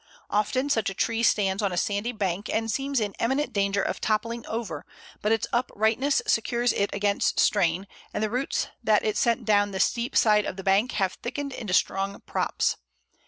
Often such a tree stands on a sandy bank, and seems in imminent danger of toppling over, but its uprightness secures it against strain, and the roots that it sent down the steep side of the bank have thickened into strong props.